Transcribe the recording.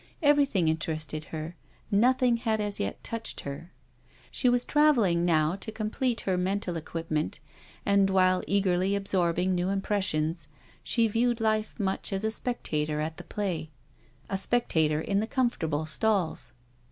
Everything interested her, nothing had as yet touched her. She was travelling now to complete her mental equipment, and while eagerly ab sorbing new impressions she viewed life much as a spectator at the play, a spectator in the comfortable stalls.